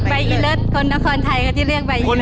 ใบอีเลิศคนนครไทยก็จะเรียกใบอีเลิศ